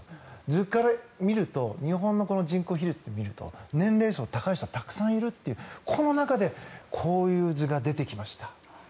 図から見ると日本の人口比率で見ると年齢層、高い人はたくさんいるというこの中でこういう図が出てきました。